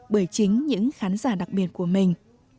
bởi chính những khán giả đặc biệt của mình